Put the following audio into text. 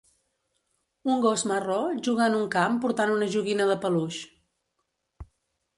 Un gos marró juga en un camp portant una joguina de peluix.